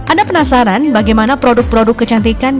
anda penasaran bagaimana produk produk kecantikan